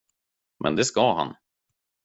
Men det ska han.